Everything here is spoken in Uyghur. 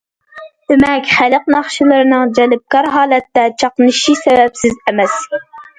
دېمەك، خەلق ناخشىلىرىنىڭ جەلپكار ھالەتتە چاقنىشى سەۋەبسىز ئەمەس.